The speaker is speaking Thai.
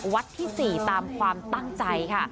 ที่๔ตามความตั้งใจค่ะ